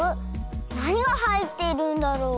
なにがはいっているんだろう？